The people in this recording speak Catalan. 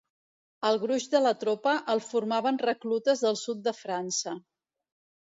El gruix de la tropa el formaven reclutes del sud de França.